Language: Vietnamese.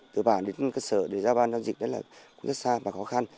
từ bàn đến cơ sở để ra ban giao dịch đấy là cũng rất xa và khó khăn